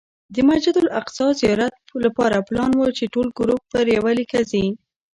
د مسجد الاقصی زیارت لپاره پلان و چې ټول ګروپ پر یوه لیکه ځي.